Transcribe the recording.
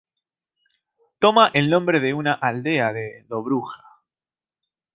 Toma el nombre de una aldea de Dobruja.